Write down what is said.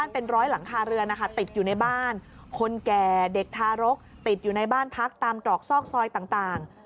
เป็นร้อยหลังคาเรือนนะคะติดอยู่ในบ้านคนแก่เด็กทารกติดอยู่ในบ้านพักตามตรอกซอกซอยต่าง